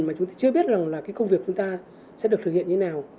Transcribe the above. mà chúng ta chưa biết là cái công việc chúng ta sẽ được thực hiện như thế nào